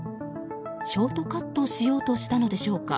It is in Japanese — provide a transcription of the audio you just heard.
ショートカットしようとしたのでしょうか。